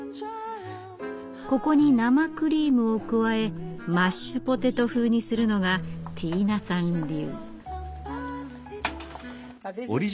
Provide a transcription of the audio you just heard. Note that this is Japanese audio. ここに生クリームを加えマッシュポテト風にするのがティーナさん流。